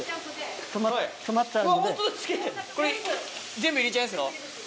全部入れちゃいますよ。